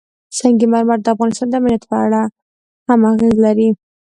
سنگ مرمر د افغانستان د امنیت په اړه هم اغېز لري.